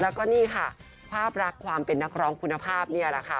แล้วก็นี่ค่ะภาพรักความเป็นนักร้องคุณภาพนี่แหละค่ะ